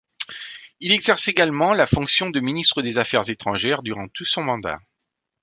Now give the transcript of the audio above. Il exerce également la fonction de ministre des Affaires étrangères durant tout son mandat.